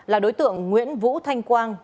là đối tượng nguyễn vũ thanh quang